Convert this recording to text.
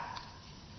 bea dan cukai